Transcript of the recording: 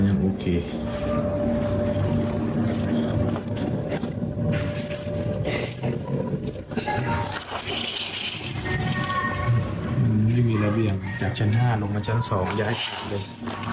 มันไม่มีระเบียงจากชั้น๕ลงมาชั้น๒ย้ายผ่านเลย